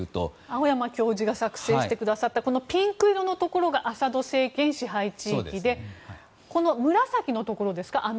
青山教授が作成してくださった地図でいいますとピンク色のところがアサド政権支配地域で紫のところですか。